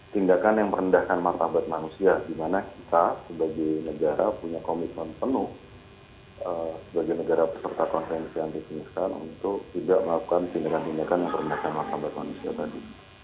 tindakan yang merendahkan martabat manusia di mana kita sebagai negara punya komitmen penuh sebagai negara peserta konvensi yang dituliskan untuk tidak melakukan tindakan tindakan yang merendahkan martabat manusia tadi